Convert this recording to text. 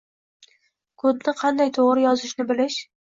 Kodni qanday to’g’ri yozishni bilish